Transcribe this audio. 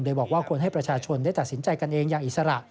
โดยบอกว่าควรให้ประชาชนได้ตัดสินใจกันเองอย่างอิสระ